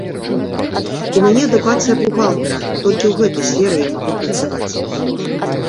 У мяне адукацыя бухгалтара, толькі ў гэтай сферы я магу працаваць.